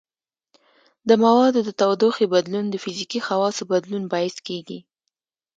د موادو د تودوخې بدلون د فزیکي خواصو بدلون باعث کیږي.